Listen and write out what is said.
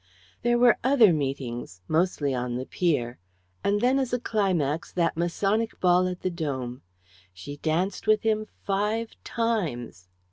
There were other meetings, mostly on the pier; and then, as a climax, that Masonic Ball at the Dome. She danced with him five times!